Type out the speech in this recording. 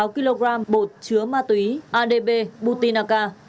sáu kg bột chứa ma túy adb butinaca